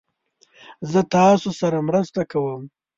زه تاسو سره مرسته کوم